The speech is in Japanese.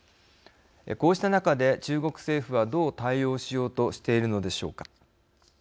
こうした中で中国政府はどう対応しようとしているのでしょうか。